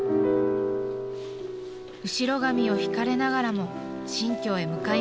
後ろ髪を引かれながらも新居へ向かいます。